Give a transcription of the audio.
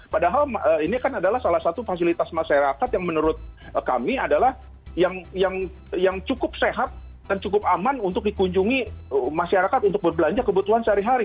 padahal ini kan adalah salah satu fasilitas masyarakat yang menurut kami adalah yang cukup sehat dan cukup aman untuk dikunjungi masyarakat untuk berbelanja kebutuhan sehari hari